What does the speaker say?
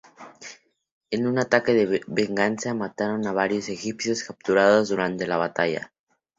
En un ataque de venganza, mataron a varios egipcios capturados durante la batalla.